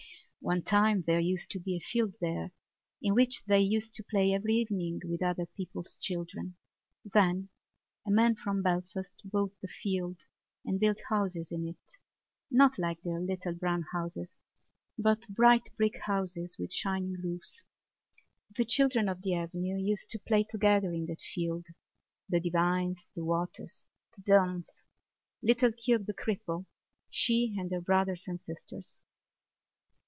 One time there used to be a field there in which they used to play every evening with other people's children. Then a man from Belfast bought the field and built houses in it—not like their little brown houses but bright brick houses with shining roofs. The children of the avenue used to play together in that field—the Devines, the Waters, the Dunns, little Keogh the cripple, she and her brothers and sisters.